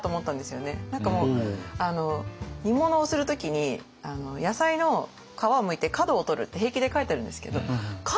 何かもう煮物をする時に「野菜の皮をむいて角をとる」って平気で書いてあるんですけど「角？